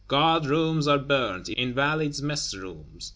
Guardrooms are burnt, Invalides mess rooms.